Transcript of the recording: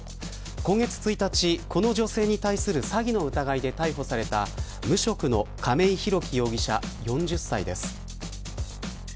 今月１日、この女性に対する詐欺の疑いで逮捕された無職の亀井裕貴容疑者４０歳です。